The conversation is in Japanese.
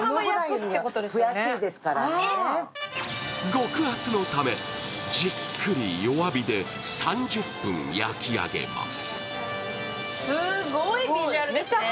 極厚のため、じっくり弱火で３０分焼き上げます。